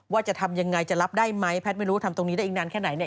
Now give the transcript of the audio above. ว่าจะทำยังไงจะรับได้ไหมแพทย์ไม่รู้ทำตรงนี้ได้อีกนานแค่ไหนเนี่ย